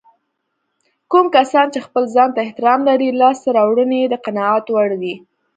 کوم کسان چې خپل ځانته احترام لري لاسته راوړنې يې د قناعت وړ وي.